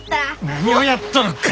何をやっとるか！